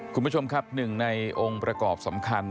คุณผู้ชมครับหนึ่งในองค์ประกอบสำคัญ